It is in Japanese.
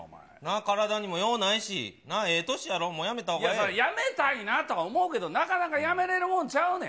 体にもようないし、ええ年ややめたいなとは思うけど、なかなかやめれるもんちゃうねん。